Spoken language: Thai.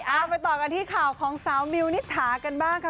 เอาไปต่อกันที่ข่าวของสาวมิวนิษฐากันบ้างค่ะ